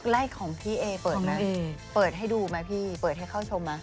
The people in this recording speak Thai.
ไล่ของพี่เอเปิดไหมเปิดให้ดูไหมพี่เปิดให้เข้าชมไหม